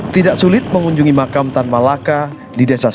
tidak sulit mengunjungi makam tan malaka di desa